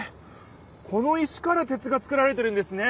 この石から鉄が作られてるんですね！